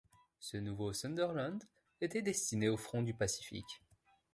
Ce nouveau Sunderland était destiné au front du Pacifique.